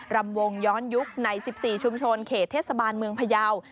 รำวงย้อนยุคใน๑๔ชุมชนเขตเทศบาลเมืองพยาว